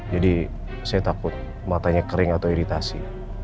jadi saya takut matanya kering atau iritasi